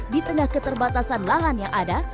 di tengah keterbatasan lahan yang ada